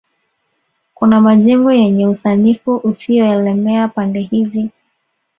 Kuna majengo yenye usanifu usioelemea pande hizi